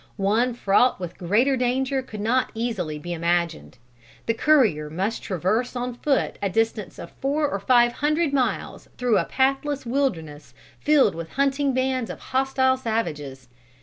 One fraught with greater danger could not easily be imagined. The courier must traverse on foot a distance of four or five hundred miles through a pathless wilderness, filled with hunting bands of hostile savages.